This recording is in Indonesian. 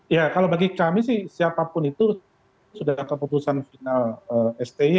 ya kalau bagi kami sih siapapun itu sudah keputusan final stj ya